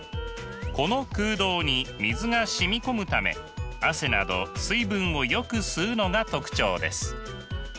この空洞に水が染み込むため汗など水分をよく吸うのが特徴です。